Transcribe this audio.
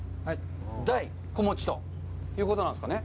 大、子持ちということなんですかね？